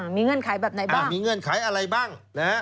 มีเงื่อนไขแบบไหนบ้างมีเงื่อนไขอะไรบ้าง